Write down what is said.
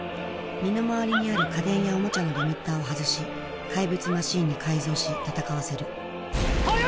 身の回りにある家電やおもちゃのリミッターを外し怪物マシンに改造し戦わせる速い！